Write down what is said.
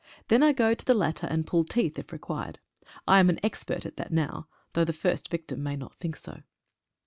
Then I go to the latter and pull teeth if required. I am an expert at that now — though the first victim may not think so.